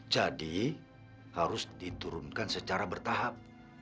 jadi harus diturunkan secara bertahap